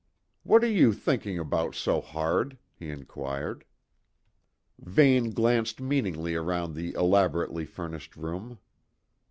"What are you thinking about so hard?" he inquired. Vane glanced meaningly round the elaborately furnished room.